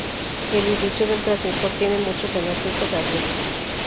El edificio del transmisor tiene muchos enlaces de radio.